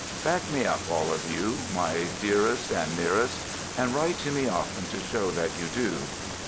Back me up, all of you, my nearest and dearest, and write to me often to show that you do.